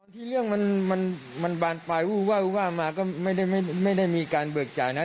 ที่เรื่องมันบานปลายวู้ว่ามาก็ไม่ได้มีการเบิกจ่ายนะ